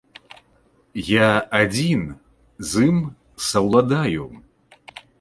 Я адзін з ім саўладаю.